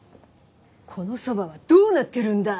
「この蕎麦はどうなってるんだ！」